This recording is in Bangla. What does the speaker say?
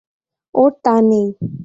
ওর তা নেই!